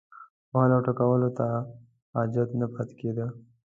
وهلو او ټکولو ته حاجت نه پاتې کېده.